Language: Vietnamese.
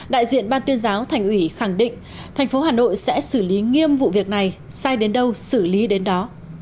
đại diện ban tuyên giáo thành ủy khẳng định thành phố hà nội sẽ xử lý nghiêm vụ việc này sai đến đâu xử lý đến đó